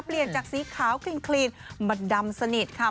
เปลี่ยนจากสีขาวคลีนมาดำสนิทค่ะ